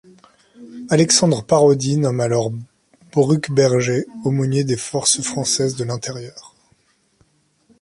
Alexandre Parodi nomme alors Bruckberger aumônier des Forces françaises de l'intérieur.